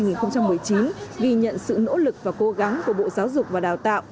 ghi nhận sự nỗ lực và cố gắng của bộ giáo dục và đào tạo